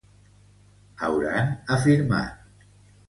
Hauran afirmat.